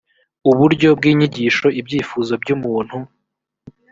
uburyo bw inyigisho ibyifuzo by umuntu